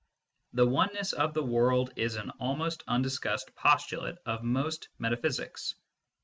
The oneness of the world is an almost undiscussed postulate of most metaphysics.